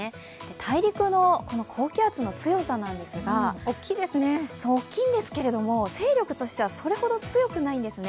大陸の高気圧の強さなんですが大きいんですけど、勢力としてはそれほど強くないんですね。